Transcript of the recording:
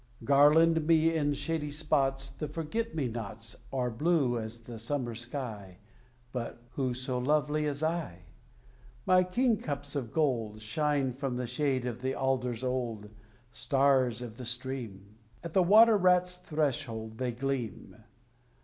Garlanding me in shady spots The Forget me nots Are blue as the summer sky: Who so lovely as I? My King cups of gold Shine from the shade of the alders old, Stars of the stream! At the water rat's threshold they gleam.